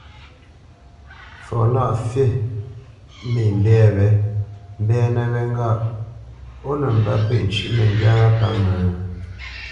Fɔ Lâʼfî mê mbɛ̂ wě mbɛ́nə̄ wé ŋgâʼ ó nə mbə́pêʼ ncʉ́ʼ məŋgywá wá pə́ ŋə́ ?